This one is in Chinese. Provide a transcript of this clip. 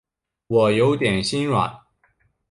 我有点心软